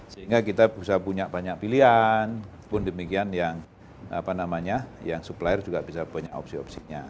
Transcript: sehingga kita bisa punya banyak pilihan pun demikian yang apa namanya yang supplier juga bisa punya opsi opsinya